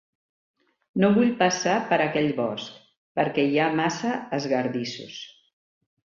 No vull passar per aquell bosc, perquè hi ha massa esgardissos.